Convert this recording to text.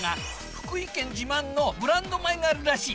福井県自慢のブランド米があるらしい。